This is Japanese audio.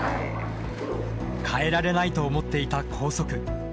変えられないと思っていた校則。